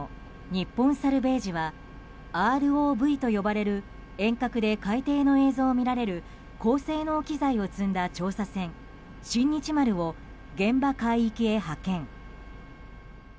日本サルヴェージはＲＯＶと呼ばれる遠隔で海底の映像を見られる高性能機材を積んだ調査船「新日丸」を現場海域へ派遣。